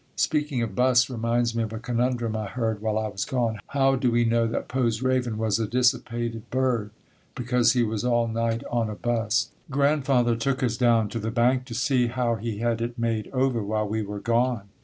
Speaking of busts reminds me of a conundrum I heard while I was gone. "How do we know that Poe's Raven was a dissipated bird? Because he was all night on a bust." Grandfather took us down to the bank to see how he had it made over while we were gone.